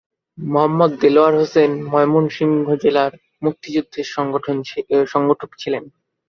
মোহাম্মদ দেলোয়ার হোসেন ময়মনসিংহ জেলার মুক্তিযুদ্ধের সংগঠক ছিলেন।